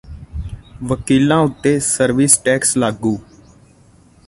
ਵਕੀਲਾਂ ਉੱਤੇ service tax ਲਾਗੂ